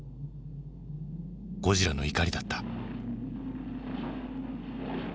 ゴジラの怒りだった。